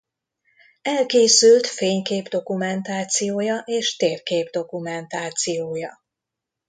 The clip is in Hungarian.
Elkészült fénykép-dokumentációja és térkép-dokumentációja.